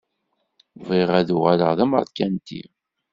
Bɣiɣ ad uɣaleɣ d ameṛkanti.